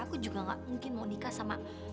aku juga gak mungkin mau nikah sama